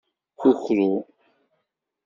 Kukru.